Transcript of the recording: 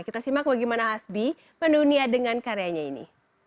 kita simak bagaimana hasbi mendunia dengan karyanya ini